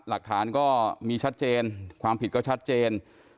หลักฐานก็มีชัดเจนความผิดก็ชัดเจน